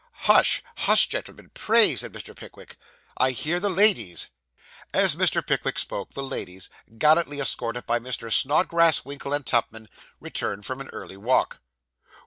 Hush, hush, gentlemen, pray,' said Mr. Pickwick, 'I hear the ladies.' As Mr. Pickwick spoke, the ladies, gallantly escorted by Messrs. Snodgrass, Winkle, and Tupman, returned from an early walk.